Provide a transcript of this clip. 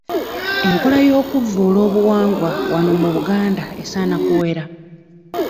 Enkola y'okuvvoola obuwangwa wano mu Buganda esaana kuwera.